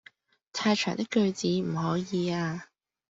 太長的句子唔可以呀